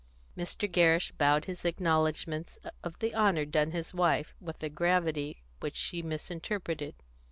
Mr. Gerrish bowed his acknowledgments of the honour done his wife, with a gravity which she misinterpreted.